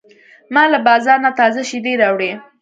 ما له بازار نه تازه شیدې راوړې.